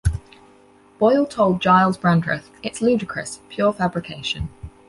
Boyle told Gyles Brandreth: It's ludicrous, pure fabrication.